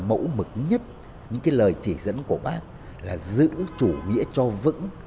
mẫu mực nhất những cái lời chỉ dẫn của bác là giữ chủ nghĩa cho vững